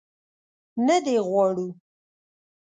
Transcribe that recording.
نه دې غواړو.